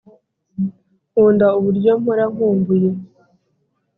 nkunda uburyo mpora nkumbuye